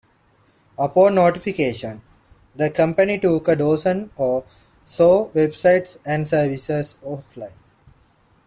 Upon notification, the company took a dozen or so websites and services offline.